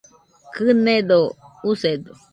Kɨnedo, usedo